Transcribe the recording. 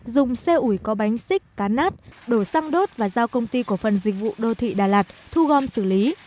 dùng xe ủi có bánh xích cán nát đổ xăng đốt và giao công ty cổ phần dịch vụ đô thị đà lạt thu gom xử lý